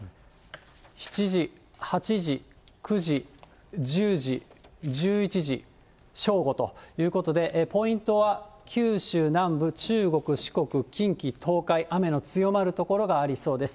７時、８時、９時、１０時、１１時、正午ということで、ポイントは九州南部、中国、四国、近畿、東海、雨の強まる所がありそうです。